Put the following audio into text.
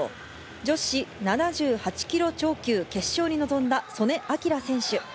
女子７８キロ超級決勝に臨んだ素根輝選手。